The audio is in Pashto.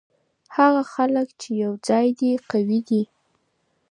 هغه خلګ چي یو ځای دي قوي دي.